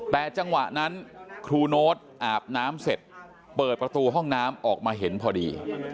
แต่จังหวะนั้นครูโน๊ตอาบน้ำเสร็จเปิดประตูห้องน้ำออกมาเห็นพอดี